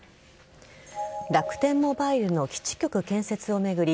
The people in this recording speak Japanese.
楽天モバイルの基地局建設を巡り